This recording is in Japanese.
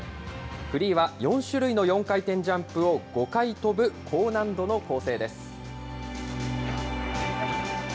フリーは４種類の４回転ジャンプを５回跳ぶ高難度の構成です。